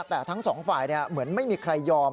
แต่ทั้งสองฝ่ายเหมือนไม่มีใครยอม